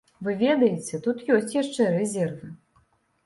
Вы ведаеце, тут ёсць яшчэ рэзервы.